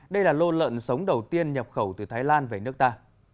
đây là lô lợn sống đầu tiên nhập khẩu từ thái lan về nước ta